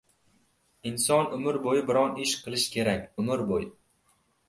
Inson umr bo‘yi biron-bir ish qilishi kerak — umr bo‘yi!